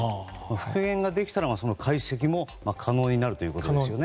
復元ができたらば解析も可能になるということですね。